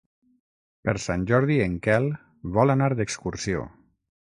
Per Sant Jordi en Quel vol anar d'excursió.